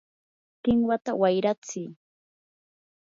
¡kinwata wayratsiy!